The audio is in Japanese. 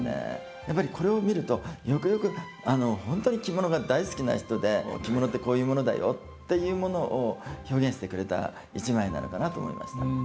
やっぱりこれを見るとよくよく本当に着物が大好きな人で着物ってこういうものだよっていうものを表現してくれた一枚なのかなと思いました。